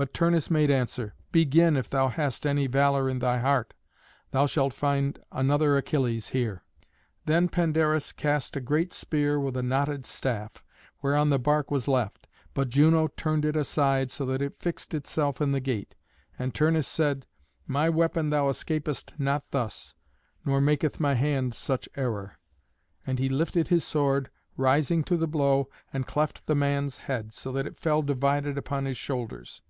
But Turnus made answer, "Begin, if thou hast any valour in thy heart. Thou shalt find another Achilles here." Then Pandarus cast a great spear with a knotted staff, whereon the bark was left; but Juno turned it aside, so that it fixed itself in the gate. And Turnus said, "My weapon thou escapest not thus, nor maketh my hand such error." And he lifted his sword, rising to the blow, and cleft the man's head, so that it fell divided upon his shoulders.